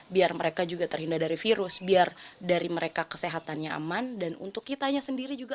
biar mereka juga terhindar dari virus biar dari mereka kesehatannya aman dan untuk kitanya sendiri juga